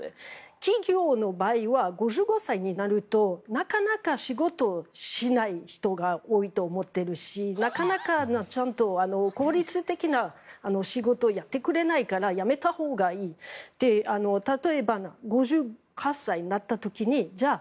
企業の場合は５５歳になるとなかなか仕事をしない人が多いと思ってるしなかなかちゃんと効率的な仕事をやってくれないからやめたほうがいい例えば５８歳になった時にじゃあ